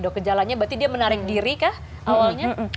ada gejalanya berarti dia menarik diri kah awalnya